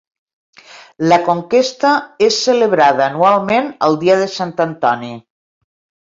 La conquesta és celebrada anualment el dia de Sant Antoni.